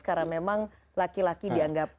karena memang laki laki dianggap